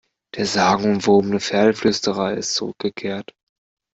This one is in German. Der sagenumwobene Pferdeflüsterer ist zurückgekehrt!